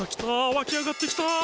わきあがってきた！